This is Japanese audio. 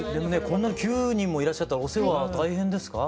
こんなに９人もいらっしゃったらお世話大変ですか？